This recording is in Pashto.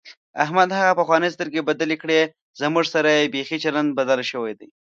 احمد هغه پخوانۍ سترګې بدلې کړې، زموږ سره یې بیخي چلند بدل شوی دی.